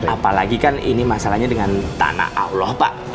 apalagi kan ini masalahnya dengan tanah allah pak